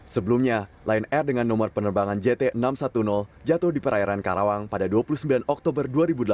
sebelumnya lion air dengan nomor penerbangan jt enam ratus sepuluh jatuh di perairan karawang pada dua puluh sembilan oktober dua ribu delapan belas